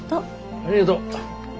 ありがと。